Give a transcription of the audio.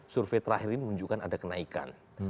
survei terakhir ini menunjukkan ada kenaikan